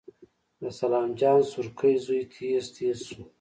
د سلام جان سورکی زوی تېز تېر شو.